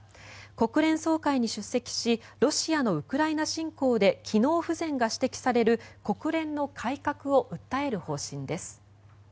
国連総会に出席しロシアのウクライナ侵攻で機能不全が指摘される国連の改革を訴える方針です。